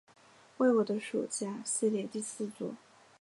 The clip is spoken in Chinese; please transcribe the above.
为我的暑假系列第四作。